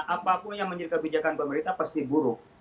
apapun yang menjadi kebijakan pemerintah pasti buruk